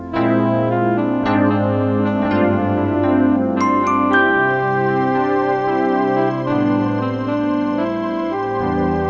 sunny tak ada perilaku